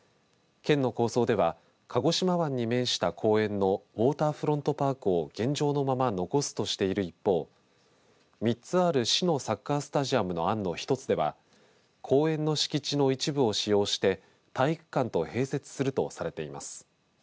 県の構想では鹿児島湾に面した公園のウォーターフロントパークを現状のまま残すとしている一方３つある市のサッカースタジアムの案の１つでは公園の敷地の一部を使用して体育館と併設するとされています。